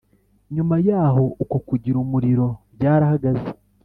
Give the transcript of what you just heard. Nyuma yaho, uko kugira umuriro byarahagaze,